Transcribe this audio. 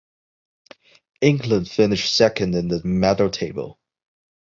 England finished second in the medal table.